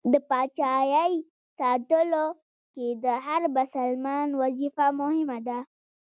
د پاچایۍ ساتلو کې د هر بسلمان وظیفه مهمه ده.